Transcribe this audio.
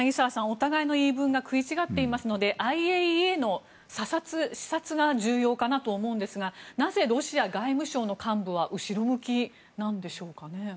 お互いの言い分が食い違っていますのでＩＡＥＡの査察、視察が重要かなと思うんですがなぜロシア外務省の幹部は後ろ向きなんでしょうかね。